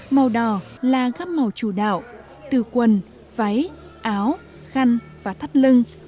màu đỏ là gáp màu chủ đạo từ quần váy áo khăn và thắt lưng